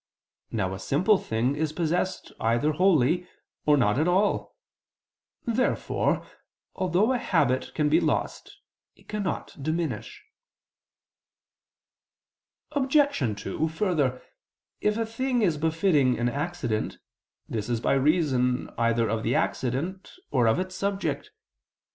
Now a simple thing is possessed either wholly or not at all. Therefore although a habit can be lost it cannot diminish. Obj. 2: Further, if a thing is befitting an accident, this is by reason either of the accident or of its subject.